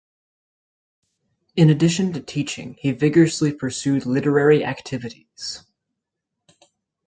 In addition to teaching, he vigorously pursued literary activities.